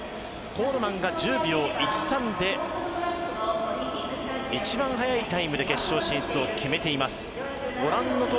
コールマンが１０秒１３で一番早いタイムで決勝進出を決めています。